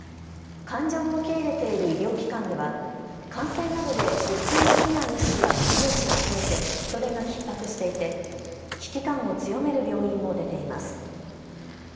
患者を受け入れている医療機関では感染などで出勤できない医師や看護師が増えて人手がひっ迫していて危機感を強める病院も出ています。